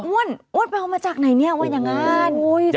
อ้วนอ้วนไปเอามาจากไหนเนี้ยว่าอย่างงานโอ้ยเสียใจ